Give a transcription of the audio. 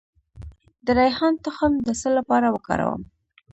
د ریحان تخم د څه لپاره وکاروم؟